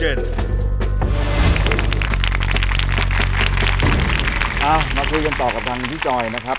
เอามาคุยกันต่อกับทางพี่จอยนะครับ